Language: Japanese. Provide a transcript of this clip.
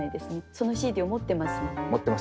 そのＣＤを持ってますもんね。